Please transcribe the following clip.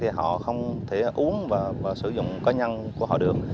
thì họ không thể uống và sử dụng cá nhân của họ được